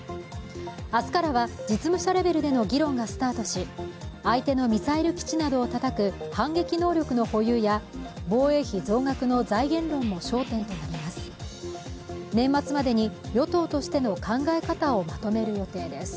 明日からは実務者レベルでの議論がスタートし相手のミサイル基地などをたたく反撃能力の保有や防衛費増額の財源論も焦点となります。